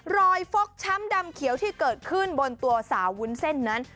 ฟกช้ำดำเขียวที่เกิดขึ้นบนตัวสาววุ้นเส้นนั้น